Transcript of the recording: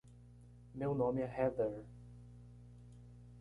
Meu nome é Heather.